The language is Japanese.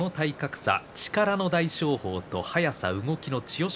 力の大翔鵬速さ、動きの千代翔